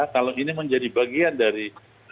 kalau ini menjadi bagian dari